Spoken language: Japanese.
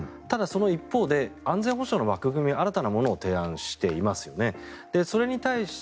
ただ、その一方で安全保障の枠組みを新たなものを提案していますよね。